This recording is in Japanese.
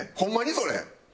それ。